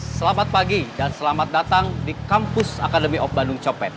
selamat pagi dan selamat datang di kampus akademi of bandung copet